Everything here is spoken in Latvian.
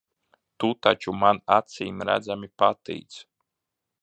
Tu taču man acīmredzami patīc.